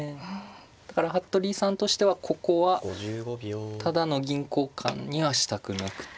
だから服部さんとしてはここはタダの銀交換にはしたくなくて。